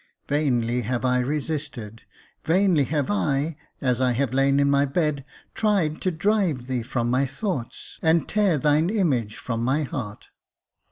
Vainly have I resisted — vainly have I, as I have lain in my bed, tried to drive thee from my thoughts, and tear thine image from my heart.